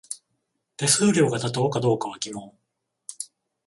手数料が妥当かどうかは疑問